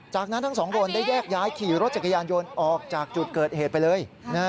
จากนั้นทั้งสองคนได้แยกย้ายขี่รถจักรยานยนต์ออกจากจุดเกิดเหตุไปเลย